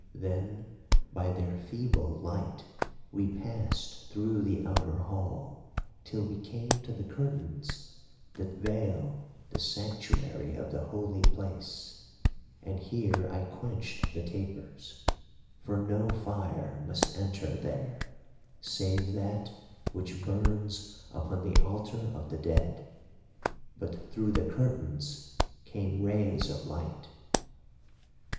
Then by their feeble light we passed through the outer hall till we came to the curtains that veil the sanctuary of the Holy Place, and here I quenched the tapers; for no fire must enter there, save that which burns upon the altar of the dead. But through the curtains came rays of light.